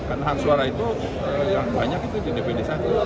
karena hansuara itu banyak itu di dpd satu